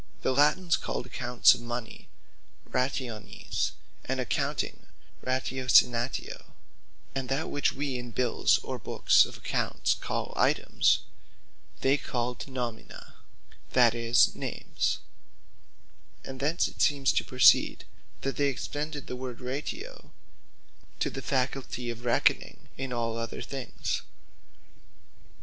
The Latines called Accounts of mony Rationes, and accounting, Ratiocinatio: and that which we in bills or books of account call Items, they called Nomina; that is, Names: and thence it seems to proceed, that they extended the word Ratio, to the faculty of Reckoning in all other things.